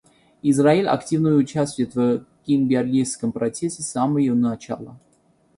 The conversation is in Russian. Израиль активно участвует в Кимберлийском процессе с самого его начала.